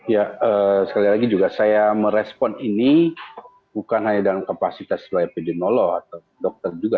ya sekali lagi juga saya merespon ini bukan hanya dalam kapasitas epidemiolog atau dokter juga